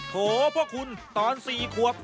โหพวกคุณตอน๔ขวบ